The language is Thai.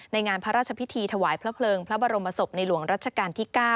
ในงานพระราชพิธีถวายพระเพลิงพระบรมศพในหลวงรัชกาลที่๙